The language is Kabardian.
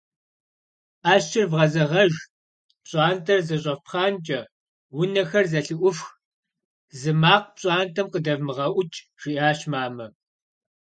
«ӏэщыр вгъэзэщӏэж, пщӏантӏэр зэщӏэфпхъанкӏэ, унэхэр зэлъыӏуфх, зы макъ пщӏантӏэм къыдэвмыгъэӏук», - жиӏащ мамэ.